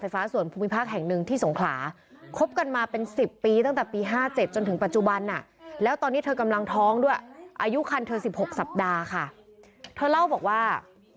สัปดาห์ค่ะเธอเล่าบอกว่า